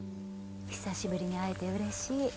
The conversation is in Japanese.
久しぶりに会えてうれしい。